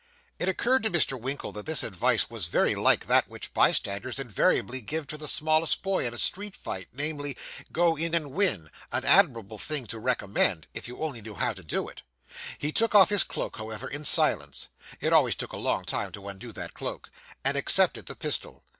It occurred to Mr. Winkle that this advice was very like that which bystanders invariably give to the smallest boy in a street fight, namely, 'Go in, and win' an admirable thing to recommend, if you only know how to do it. He took off his cloak, however, in silence it always took a long time to undo that cloak and accepted the pistol.